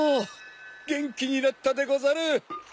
ゲンキになったでござる！